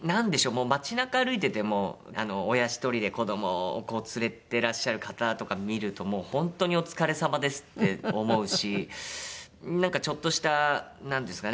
もう街なか歩いてても親１人で子どもをこう連れてらっしゃる方とか見るともう本当にお疲れさまですって思うしちょっとしたなんですかね